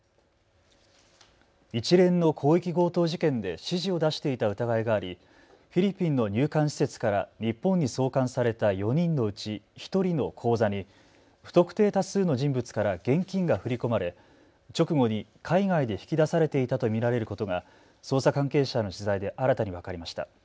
一連の広域強盗事件で指示を出していた疑いがありフィリピンの入管施設から日本に送還された４人のうち１人の口座に不特定多数の人物から現金が振り込まれ直後に海外で引き出されていたと見られることが捜査関係者への取材で新たに分かりました。